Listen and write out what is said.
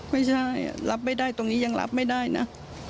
ไม่ใช่รับไม่ได้ตรงนี้ยังรับไม่ได้นะ